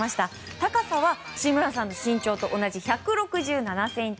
高さは志村さんの身長と同じ１６７ｃｍ。